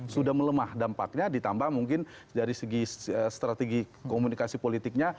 sudah melemah dampaknya ditambah mungkin dari segi strategi komunikasi politiknya